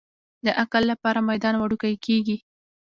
د عقل لپاره میدان وړوکی کېږي.